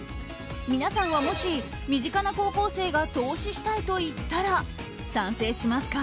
皆さんはもし、身近な高校生が投資したいと言ったら賛成しますか？